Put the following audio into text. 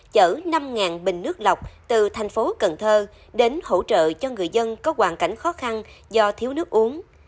chở năm bình nước lọc từ thành phố cần thơ đến hỗ trợ cho người dân có hoàn cảnh khó khăn do thiếu nước uống